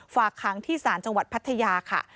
ฝากค้างที่ศาลจังหวัดพัทยาค่ะ